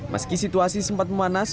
meski situasi sempat memanas